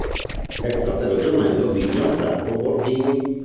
È fratello gemello di Gianfranco Borghini.